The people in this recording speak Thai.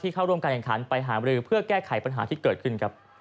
เข้าร่วมการแข่งขันไปหามรือเพื่อแก้ไขปัญหาที่เกิดขึ้นครับ